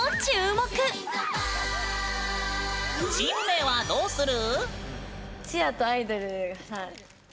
チーム名はどうする？